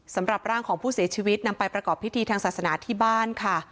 สำหรับร่างของผู้เสียชีวิตนำไปประกอบพิธีทางศาสนาที่บ้านค่ะ